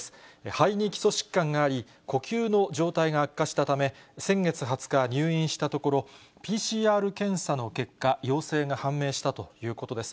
肺に基礎疾患があり、呼吸の状態が悪化したため、先月２０日、入院したところ、ＰＣＲ検査の結果、陽性が判明したということです。